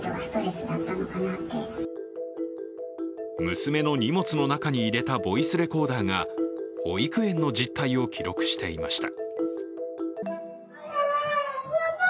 娘の荷物の中に入れたボイスレコーダーが保育園の実態を記録していました。